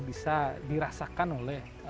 bisa dirasakan oleh